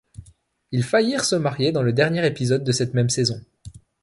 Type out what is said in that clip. Ils faillirent se marier dans le dernier épisode de cette même saison.